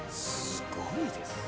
すごいですね